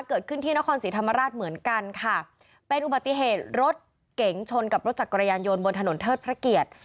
เกิดขึ้นที่นครศรีธรรมราชเหมือนกันค่ะเป็นอุบัติเหตุรถเก๋งชนกับรถจักรยานยนต์บนถนนเทิดพระเกียรติ